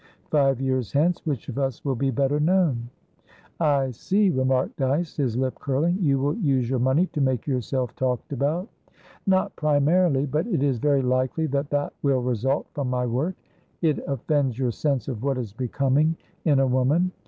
Five years hence, which of us will be better known?" "I see," remarked Dyce, his lip curling. "You will use your money to make yourself talked about?" "Not primarily; but it is very likely that that will result from my work. It offends your sense of what is becoming in a woman?"